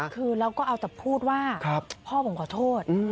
คือเราก็เอาแต่พูดว่าพ่อผมขอโทษ